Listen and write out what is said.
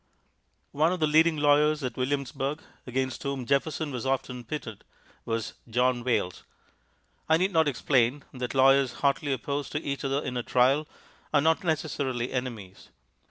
One of the leading lawyers at Williamsburg, against whom Jefferson was often pitted, was John Wayles. I need not explain that lawyers hotly opposed to each other in a trial are not necessarily enemies.